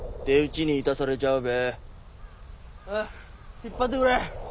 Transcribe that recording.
引っ張ってくれ！